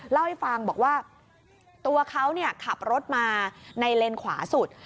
เล่าให้ฟังบอกว่าตัวเขาขับรถมาในเลนขวาสุด